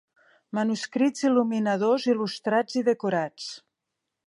Manuscrits il·luminadors, il·lustrats i decorats.